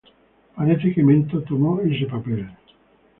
Parece que Mento tomó ese papel.